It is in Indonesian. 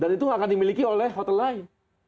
dan itu nggak akan dimiliki oleh hotel lain